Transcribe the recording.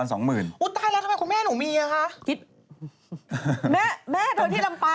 มัน๒๐๐๐๐โอ๊ยตายแล้วทำไมคุณแม่หนูมีอ่ะคะ